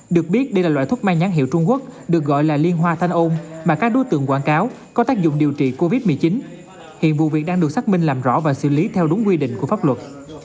được biết đây là loại thuốc mang nhãn hiệu trung quốc được gọi là liên hoa thanh ôm mà các đối tượng quảng cáo có tác dụng điều trị covid một mươi chín hiện vụ việc đang được xác minh làm rõ và xử lý theo đúng quy định của pháp luật